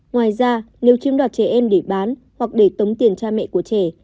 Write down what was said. ngoài ra nếu chiếm đoạt trẻ em để bán hoặc để tống tiền cha mẹ của trẻ